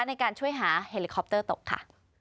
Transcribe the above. ในการช่วยหาเฮลิคอปเตอร์ตกค่ะ